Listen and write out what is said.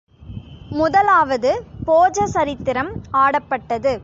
முதலாவது போஜ சரித்திரம் ஆடப்பட்டது.